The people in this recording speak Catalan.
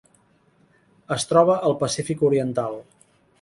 Es troba al Pacífic oriental.